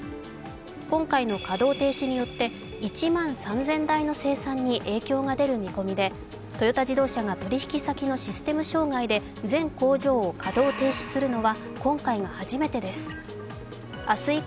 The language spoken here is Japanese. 今回の稼働停止によって、１万３０００台の生産に影響が出る見込みでトヨタ自動車が取引先のシステム障害で全工場を稼働停止するのは今回が初めてです。